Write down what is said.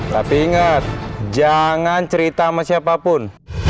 tapi ingat jangan cerita sama siapapun